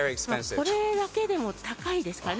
これだけでも高いですかね。